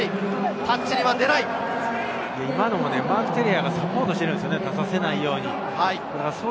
今のもマーク・テレアがサポートしているんです、出させないように。